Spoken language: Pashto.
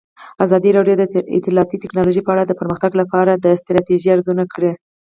ازادي راډیو د اطلاعاتی تکنالوژي په اړه د پرمختګ لپاره د ستراتیژۍ ارزونه کړې.